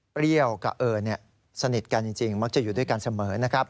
เปรี้ยวกับเอิญสนิทกันจริงมักจะอยู่ด้วยกันเสมอนะครับ